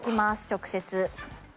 直接。